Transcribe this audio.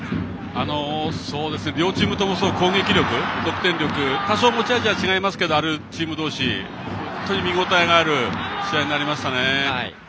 両チームともすごく攻撃力得点力、多少持ち味は違いますがあるチームどうしで見応えのある試合になりました。